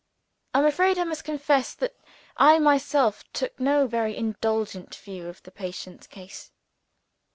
I am afraid I must confess that I myself took no very indulgent view of the patient's case.